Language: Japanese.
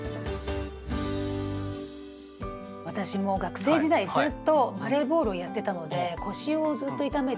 私もう学生時代ずっとバレーボールをやってたので腰をずっと痛めてて。